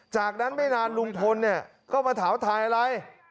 จากนั้นไม่นานลุงพลเนี่ยก็มาถามถ่ายอะไร